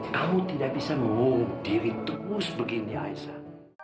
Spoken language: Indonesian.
kamu tidak bisa mengumum diri terus begini aisyah